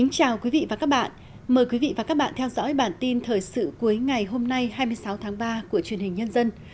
chào mừng quý vị đến với bản tin thời sự cuối ngày hôm nay hai mươi sáu tháng ba của truyền hình nhân dân